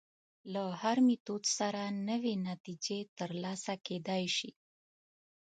له هر میتود سره نوې نتیجې تر لاسه کېدای شي.